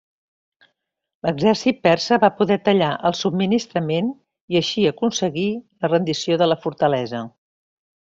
L'exèrcit persa va poder tallar el subministrament i així aconseguir la rendició de la fortalesa.